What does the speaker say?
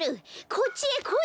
こっちへこい！